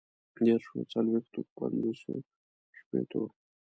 ديرشو، څلويښتو، پنځوسو، شپيتو